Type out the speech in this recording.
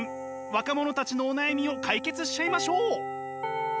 若者たちのお悩みを解決しちゃいましょう！